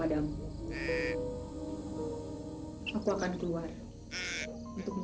dan saya akan menemukan bung